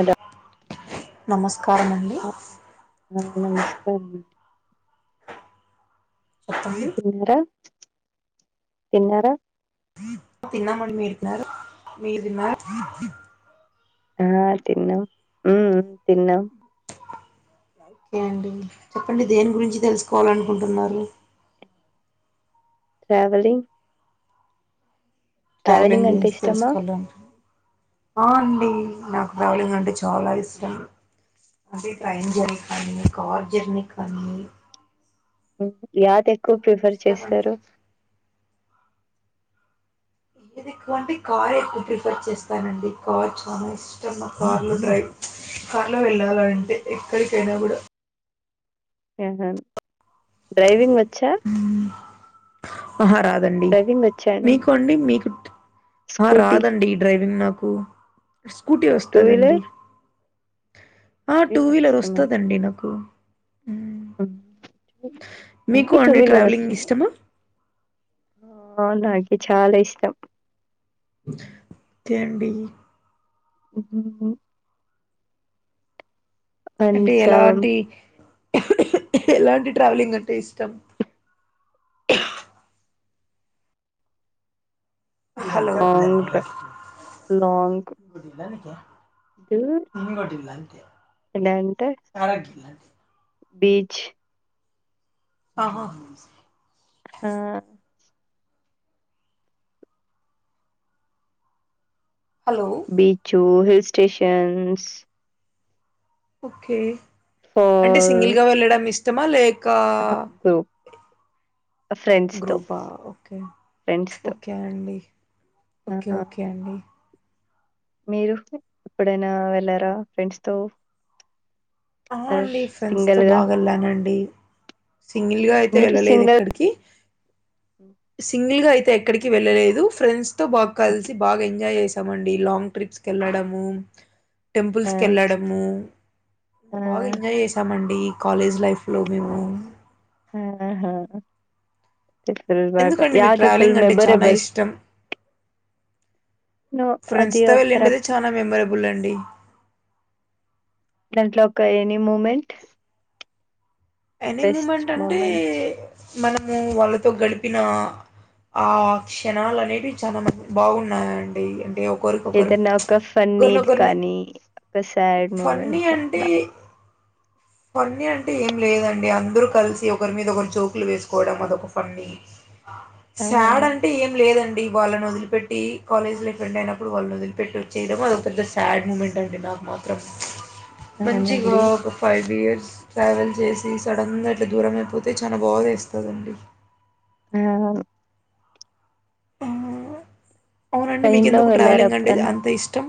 అదా నమస్క ఆ నమస్కారం అండి చెప్పండి తిన్నార తిన్నారా తిన్నమండి మీరుతిన్నారా మీరు తిన్నార ఆ తిన్నాం హ్మ్ తిన్నాం ఓకే అండి చెప్పండి దేని గురించి తెలుసుకోవాలనుకుంటున్నారు ట్రావెలింగ్ ట్రావెలింగ్ అంటే గురించి ఇష్టమా తెలుసుకోవాల ఆ అండి నాకు ట్రావలింగ్ అంటే చాలా ఇష్టం. అంటే ట్రైన్ జర్నీ కానీ కార్ జర్నీ కానీ యాదెక్కువ చాలా ప్రిఫర్ ఇష్టం అండి చేస్తరు. ఏద్ ఎక్కో అంటే కారే ఎక్కో ప్రిఫర్ చేస్తానండి కార్ చాలా ఇష్టం నా కార్లో డ్రైవ్ కార్లో ఉమ్, వెళ్ళాలంటే ఎక్కడికైనా గుడా డ్రైవింగ్ వచ్చా? అహ రాదండి. డ్రైవింగ్ వచ్చా మీకు అండి మీకు ఆ స్కూటీ రాదండి ఈ డ్రైవింగ్ నాక్ కు స్కూటీ టూ వస్తాదండి. వీలర్ ఆ టూ వీలర్ వస్తదండి నాకు మీకు అందుకే టూ అండి వీల్లర్ ట్రావెలింగ్ వస్తది. ఇష్టమా ఆ నాకి చాలా ఇష్టం. ఓకే అండి. మ్ అంటే అండ్ ఎలాంటి ఎలాంటి ట్రావెలింగ్ అంటే ఇష్టం హలో లాంగ్ నిన్నగటి లాంగ్ ఇలా అంటే ఎలా అంటే పారగల్ అంటే బీచ్ ఆహా ఆ hello beach hill stations okay అంటే ఫాల్ సింగిల్గ వెళ్ళడం ఇష్టమా లేకా గ్రూప్ ఫ్రెండ్స్‌తో, గ్రూపా ఓకే ఫ్రెండ్స్‌తో. ఓకే అండి. ఆ! ఓకే ఓకే అండి. మీరు ఎప్పుడైన వెళ్లారా ఫ్రెండ్స్తో ఆ అండి ఫ్రెండ్స్తో బావెళ్లానండి. సింగిల్గా అయితే మీరు వెళ్ళలేదు సింగిల్ ఎక్కడ్కి సింగిల్గా అయి తే ఎక్కడికి వెళ్ళలేదు. ఫ్రెండ్స్తో బా కల్సి బాగా ఎంజాయ్ చే ఆ. లాంగ్ ట్రిప్స్కి ఎళ్ళడము ఆ! టెంపుల్స్ కెళ్ళడము ఆ! బాగా ఎంజాయ్ చేసామండి కాలేజ్ లైఫ్లో మేము ఆహా ఎందుకండి మీకు [unintelligible] ఫుల్ ట్రావెలింగ్ అంటే చాలా మెబరెబల్ ఇష్టం ఫ్రెండ్స్తో వెళ్ళిండది తరప్ చాలా మెమొరబుల్ అండి దాంట్లో ఒక any moment any best moment అంటే మూమెంట్ మనము వాళ్ళతో గడిపినా ఆ క్షణాలనేది చాలా బాగున్నాయండి అంటే ఒ ఏదన్న ఒక ఫన్నీది కానీ ఒక సాడ్ ఫన్నీ మూమెంట్ అంటే అలా ఫన్నీ అంటే ఏం లేదండి. అందరు కల్సి ఒకరి మీద ఒకరు జోకులు వేసుకోవడం అదొక ఫన్నీ ఆ! సాడ్ అంటే ఏం లేదం డి వాళ్ళన్ వదిలిపెట్టీ కాలేజ్ లైఫ్ ఎండ్ అయినప్పుడు వాళ్ళని వదిలిపెట్టి వచ్చేయడం అదో పెద్ద సాడ్ మూమెంట్ అండి నా మాత్రం మంచిగా అవునండి. ఒక ఫైవ్ ఇయర్స్ ట్రావెల్ చేసి సడన్గ ఇట్లా దూరమైపోతే చాలా బాదేస్తదండి. అవున్ ఆ అవునండి ట్రైన్‌లో మీకెందుకు వెళ్లారా ట్రావెలింగ్ అంటే ఎప్పుడన్నా? అంత ఇష్టం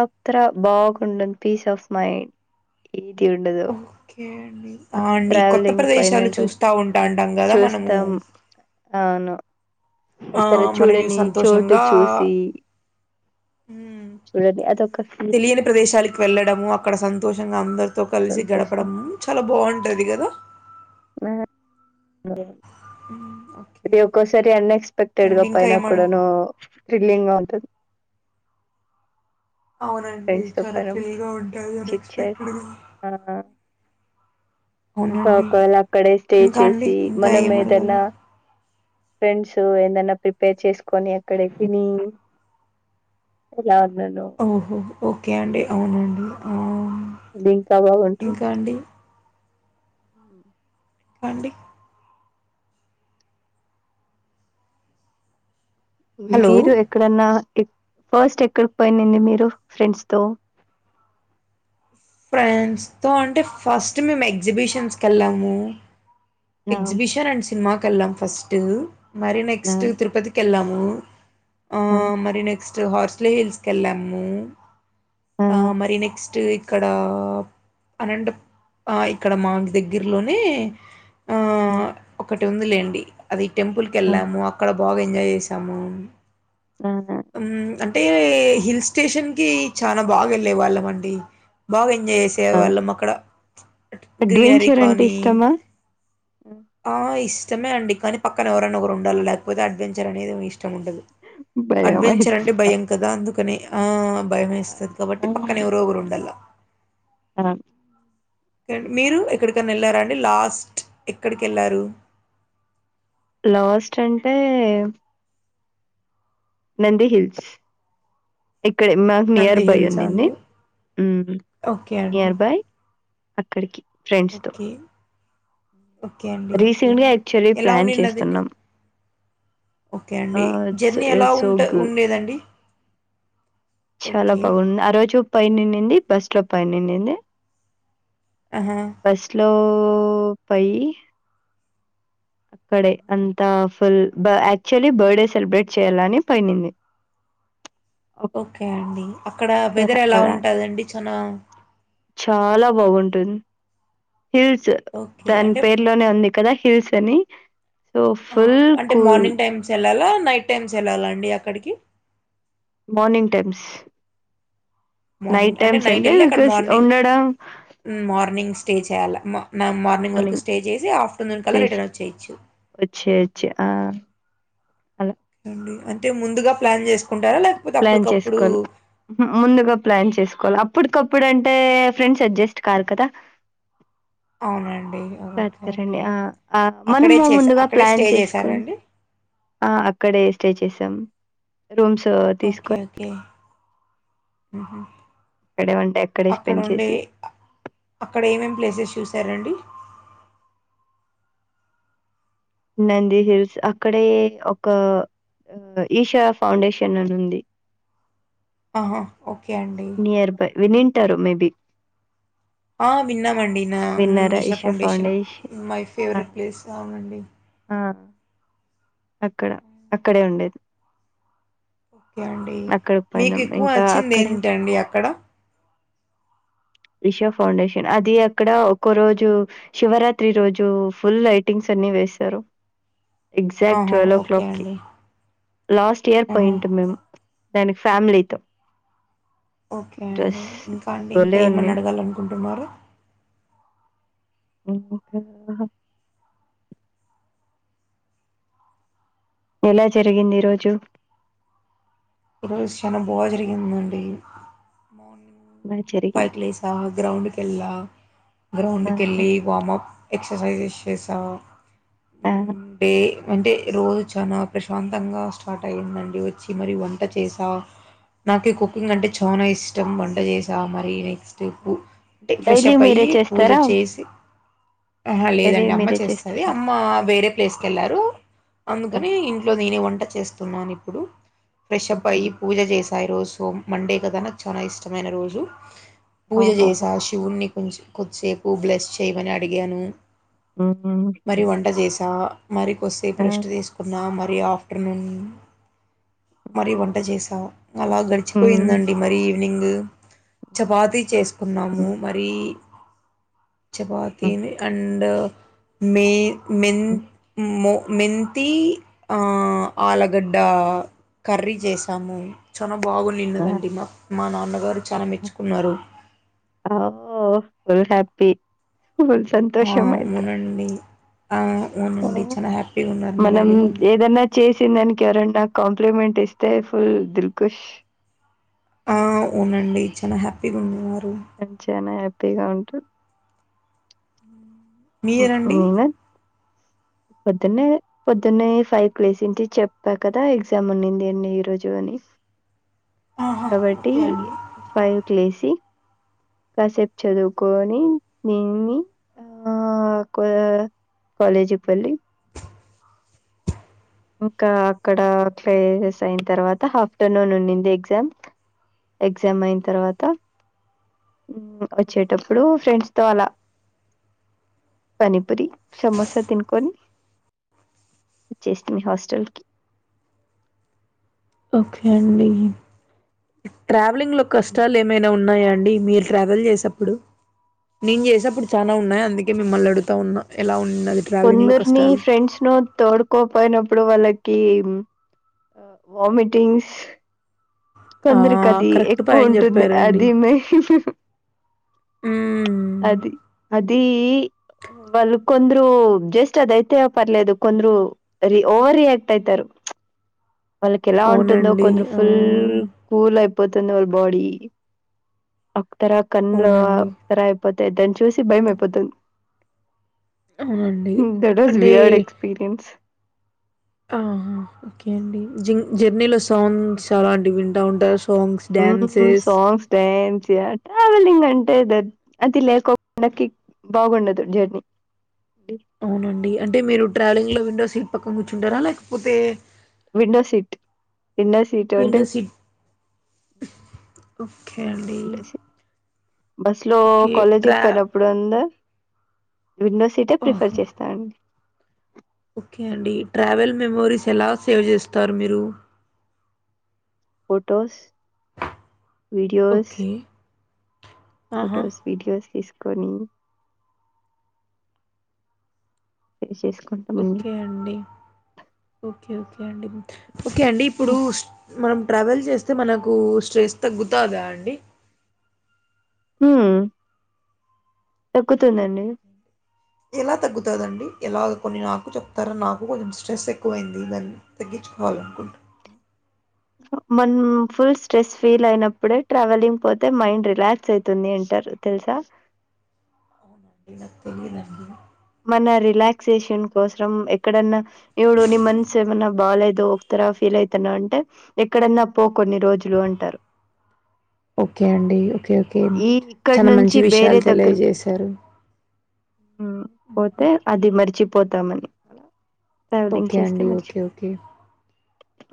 అత్ర బాగుండ పీస్ ఆఫ్ మైండ్ ఉండదు ఓకే అండి ఆ అండి కొత్త ట్రావెలింగ్ పైన ప్రదేశాలు ఇంట్రెస్ట్ చూస్తా ఉంటా అంటాం కదా మనము చూస్తాం అవును ఆ ఎవరు మరియు చూడని చోటు సంతోషంగా చూసి హ్మ్ చూడని అదొక ఫీల్ తెలియని ప్రదేశాలకి వెళ్ళడము అక్కడ సంతోషంగా అందరితో కలిసి సంతోషం గడపడం చాలా బాగుంటది కా మె మె ఉ అది ఒక్కోసారి అన్ఎక్స్పెక్టెడ్ గా ఇంకా పోనా ఏమా కూడా థ్రిల్లింగ్ గా ఉంటది అవునండి ఫ్రెండ్స్ తో చాలా పైన థ్రిల్గా ఉంటుది అన్ చిట్ చాట్ ఎక్స్పెక్టెడ్ గా ఆ ఇంకా ఒకవేళ అక్కడే స్టే ఇంకా అండి చేసి ఇంకా మనం ఏం ఏదన్నా అడగాల ఫ్రెండ్స్ ఏందైన్నా ప్రిపేర్ చేసుకొని అక్కడే తిని ఆలా ఓహో ఓకే అండి అవునండి ఆ అది ఇంకా బాగుంటుంది ఇంకా అండి అండి హలో మీరు ఎక్కడన్నా ఫస్ట్ ఎక్కడికి పాయింరెండీ మీరు ఫ్రెండ్స్ తో ఫ్రెండ్స్తో అంటే ఫస్ట్ మేము ఎగ్జిబిషన్స్కి వెళ్ళాము ఆ ఎగ్జిబిషన్ అండ్ సినిమాకి వెళ్ళాం ఫస్ట్ మరి ఆ నెక్స్ట్ తిరుపతికి వెళ్ళాం ఆ మరి నెక్స్ట్ హార్సులేహిల్స్ కెళ్ళాము ఆ మరి నెక్స్ట్ ఇక్కడ అండ్ ఇక్కడ మానాకి దగ్గరలోనే ఆ అ ఉందిలేండి అది టెంపుల్కీ ఆ వెళ్ళాము అక్కడ బాగా ఎంజాయ్ చేసాము ఆ అంటే హిల్ స్టేషన్ కి చాలా బాగా వెళ్ళే వాళ్ళం అండి బాగా ఆ చేసేవాళ్ళం అక్కడ గ్రీనరీ అడ్వెంచర్ అంటే కానీ ఇష్టమా? అయిస్ ఇష్టమే అండి కానీ పక్కన ఎవరైనా ఒకరు ఉండాలి లేకపోతే అడ్వెంచర్ అనేది ఇష్టం ఉండదు భయం అడ్వెంచర్ అయిత అంటే భయం కదా అందుకని ఆ భయమేస్తది కాబట్టి పక్కన ఎవరుగురు ఉండాల మీరు ఎక్కడికన్నా వెళ్ళారా అండి లాస్ట్ ఎక్కడికి వెళ్ళారు లాస్ట్ అంటే నందిహిల్స్ ఇక్కడ మాకు నియర్ నంది బై హిల్సా ఉందింది అండి? ఓకే అండి. నియర్ బై అక్కడికి ఫ్రెండ్స్ తో ఓకే. ఓకే అండి. ఓకే. రీసెంట్గా యాక్చువల్లీ ఎలా ప్లాన్ ఉండిన్నదండి? చేస్తున్నాం ఓకే ఆ అండి ఇట్స్ జర్నీ ఎలా సో ఉంట గుడ్ ఉండేదండి చాలా ఓకే. బాగుంది ఆ రోజు పై నిండింది బస్సు లో పై నిండింది ఆహా! బస్లో పై అక్కడే అంతా ఫుల్ యాక్చువలీ బర్త్డే సెలబ్రేట్ చేయాలని పైడింది ఓకే అండి అక్కడ ఒకసారి వెదర్ ఎలా అలా ఉంటదండి చానా చాలా బాగుంటుంది హిల్స్ ఓకే. దాని అంటే పేర్లోనే ఉంది కదా హిల్స్ అని సో, ఫుల్ అంటే కూల్ మార్నింగ్ టైమ్స్ వెళ్ళాలా నైట్ టైమ్స్ వెళ్ళాలా అండి అక్కడికి మార్నింగ్ టైమ్స్ మార్నింగ్ అంటే టైమ్స్ నైట్ వెళ్ళి అక్కడ బికాస్ మార్నింగ్ ఉండడం ఆ! మార్నింగ్ స్టే చేయాల మార్నింగ్ వరకు స్టే చేసి ఆఫ్టర్ వచ్చేయచ్చు ఆ అల అండి అంటే ముందుగా ప్లాన్ చేస్ ప్లాన్ చేసుకోవాలి ముందుగా ప్లాన్ చేసుకోవాలి అప్పటికప్పు ఇప్పుడుంటే ఫ్రెండ్స్ అడ్జస్ట్ కరు కదా అవునండి ఓకే. దొరకరండీ ఓకే. ఆ అక్కడే మనము చేసా ముందుగా అక్కడే ప్లాన్ స్టే జేసారా అండి? చేసుకుంటే ఆ అక్కడే స్టే చేసాం రూమ్స్ తీసుకొని ఆహా అక్కడే ఉంటే అక్కడే అక్కడ స్పెండ్ ఉండి చేసి, అక్కడ ఏమేమి ప్లేసెస్ చూసారండి నందిహిల్స్ అక్కడే ఒక ఆ ఈషా ఫౌండేషన్ అని ఉంది ఆహా ఓ నియర్ బై వినింటారు మేబి విన్నామండి నా ఈషా ఫౌండేషన్ మై ఆ! ఫేవరెట్ ప్లేస్ అవునండి ఆ! అక్కడ అక్కడే ఉండేది ఓకే అండి అక్కడికి మీకు పోయినాం. ఎక్కువ ఇంకా నచ్చింది అక్కడే ఏంటండి అక్కడ ఇషా ఫౌండేషన్ అది అక్కడ ఒక రోజు శివరాత్రి రోజు ఫుల్ లైటింగ్స్ అన్నీ వేేశారు ఎగ్జాక్ట్ ఆహా! ట్వెల్వ్ ఓ ఓకే క్లాక్ కి అండి. లాస్ట్ ఇయర్ ఆహా! పోయిట్ మేమ్ దానికి ఫ్యామిలీతో ఓకే జస్ అండి ఇంకా అండి ఇంకా భలే ఉంది ఏమైన్నా అడగలనుకుంటున్నారా [unintelligible] ఎలా జరిగింది ఈ రోజు ఈరోజు చానా భోజరిగిందండి బా జరిగింది పైకీలేసా గ్రౌండ్ కేల్లా ఆ గ్రౌండ్కి వెళ్ళి వార్ముప్ ఎక్సర్సైజెస్ చేసా ఆ ఆ డే అంటే రోజు చాలా ప్రశాంతంగా స్టార్ట్ అయ్యిందండి వచ్చి మరి వంట చేసా నాకు కుకింగ్ అంటే చానా ఇష్టం వంట చేసా మరి ఆ అంటే డైలీ ఫ్రెషప్ మీరే అయ్యి పూజ చేస్తారా చేసి ఆహ డైలీ లేదండి అమ్మ మీరే చేస్తది చేస్తారా అమ్మ వేరే ప్లేస్కి వెళ్ళారు ఆ అందుకని ఇంట్లో నేనే వంట చేస్తున్నాను ఇప్పుడు ఫ్రెష్ప్ ఉహు అయ్యి పూజ చేస్ రోజు మండే కదా నాకు చాలా ఇష్టమైన రోజు పూజ ఓహో చేసా శివుణ్ణి కొంచెం కొద్దిసేపు బ్లెస్ చేయమని అడిగాను ఉహు మరి వంట చేసా మరి కొసేపు ఆ రెస్ట్ తీసుకున్నా మ మరి ఆఫ్టర్నూన్ మరి వంట చేశా అలా ఉహు గడిచిపోయిందండి మరి ఈవినింగ్ చపాతీ చేసుకున్నాము మరి ఉహు చపాతీని అండ్ మే మెన్ మో మెంతి ఆలగడ్డ కర్రీ చేసాము చన్న బాగు ఆ నిన్నదండి మా మా నాన్నగారు చాలా మెచ్చుకున్నారు ఆ ఫుల్ హ్యాపీ ఫుల్ ఆ! సంతోషం అయితే అవునండి ఆ ఆ, అవునండి చాలా హ్యాపీగున్నారు మా డాడీ వాళ్ళు వచ్చిన్ దానిక్ ఎవన్న కాంప్లిమెంట్ ఇస్తే ఫుల్ దిల్కుష్ ఆ అవునండి చాలా హ్యాపీగున్నారు. తేగా అంటు మీరండి? మీన పొద్దున్నే పొద్దున్నే ఫైవ్క్ లెసింటి చెప్పా కదా ఎగ్జామ్ ఉన్నింది అండి ఈ రోజు అని ఆహా! కాబట్టి ఓకే అండి. ఫైవ్క్ లేసి కాసేప్ చదువుకోని నిన్ని కాలేజ్కు వెళ్ళి ఇంకా అక్కడా క్లాసెస్ అయిన్ తర్వాత హఫ్టర్నూన్ ఉండింది ఎగ్జామ్ ఎగ్జామ్ అయిన్ తర్వాత వచ్చేటప్పుడు ఫ్రెండ్స్తో అలా పనీపురి, సమోసా తినుకొని వచ్చేస్ మీ హస్టల్కి ట్రావెలింగ్లో కష్టాల్ ఏమైనా ఉన్నాయా అం అండి మీర్ ట్రావెల్ చేసప్పుడు నేన్ చేసప్పుడు చానా ఉన్నాయి అందుకే మిమ్మల్ని అడుతా ఉన్నా ఎలా ఉం కొందర్ని ఫ్రెండ్స్నో తోడుకో పోయినప్పుడు వాళ్ళ కీ వామిటింగ్స్ ఆ! కొందర్కది కరెక్ట్ పాయింట్ ఎక్కువుంటుంది చెప్పారండి. అది మెయిన్ హ్మ్. అది అదీ వాళ్ కొందరు జస్ట్ అదైతే పర్లేదు కొందరు రి ఓవర్ రియాక్ట్ అయితరు. వాళ్ళకెలా ఉంటుందో అవునండి. కొందరు ఆ! ఫుల్ కూల్ అయి పోతున్న వాళ్ళ బాడి అప్తరా కన్ అవునండి. అప్సరా ఇయిపో తే దాన్ని చూసి భయమై పోతుం అవునండి. That as we heard experience ఆహా ఓకే అండి. జ జర్నీలో సాంగ్స్ అంటివి వింటా ఉంటా మ్ songs dance we are travelling అంటే దట్ అది లేకోకుండా కిక్ బాగుండదు జర్నీ అవునండి అంటే మీరు ట్రావెలింగ్లో విండో సీట్ పక్కన్ కూర్చుంటారా లేక్పోతే విండో సీట్ విండో సీట్ అంటే విండో సీట్ ఓకే అండి. బస్సు లో ఓకే. కాలేజీకి ట్రా పోయినప్పుడు అందా విండో సీటే ప్రిఫర్ ఓహో! చేస్తా అండి. ఓకే అండి ట్రావెల్ మెమోరీస్ ఎలా సేవ్ చేస్తారు మీరు? Photos, videos, okay. ఆహా! ఫోటోస్, వీడియోస్ తీస్ కొని [inaudible] ఓకే అండి ఓకే ఓకే అండి ఓకే అండి ఇప్పుడూ హ్మ్. మనం ట్రావెల్ చేస్తే మనకు స్ట్రెస్ తగ్గుతాదా అండి? హ్మ్ ఆహా! తగ్గుతుందండి. ఓకే అండి. ఎలా తగ్గుతాదండి ఎలాగ కొన్ని నాకు చెప్తార నాకు కొంచం స్ట్రెస్ ఎక్కువైంది దా తగ్గించుకోవాలినుకుంటున్నాను మనం ఫుల్ స్ట్రెస్ ఫీల్ అయినప్పుడే ట్రావెలింగ్ పోతే మైండ్ రిలాక్స్ అవుతుంది అంటారు తెలుస ద అవునండి. నాకు తెలిదండి మన రిలాక్సేషన్ కోసం ఎక్కడన్నా ఇపుడు ని మనసేమైనా బాగాలేదు తర ఫీల్ అవుతాను అంటే ఎక్కడన్నా పో కొన్ని రోజులు అంటారు ఓకే అండి ఓకే ఓకే ఈ ఇక్కడి చాలా నుంచి మంచి వేరే విషయాలు దగ్గరకి తెలియజేశారు హ్మ్ పోతే అది మరిచిపోతామని ఓకే అండి ఓకే ఓకే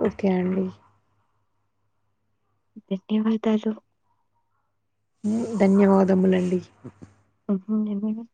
ఓకే అండి ధన్యవాదాలు ధన్యవాదములండి హ్మ్ ఏమైనా